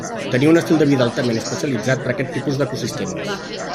Tenia un estil de vida altament especialitzat per a aquest tipus d'ecosistemes.